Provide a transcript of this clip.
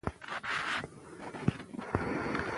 وروسته یې په پېښور کې په راډيو کې کار پیل کړ.